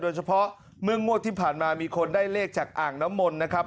เมื่องวดที่ผ่านมามีคนได้เลขจากอ่างน้ำมนต์นะครับ